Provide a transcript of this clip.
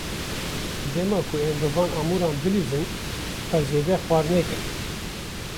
Dema ku em bi van amûran bilîzin, xwe zêde xwar nekin.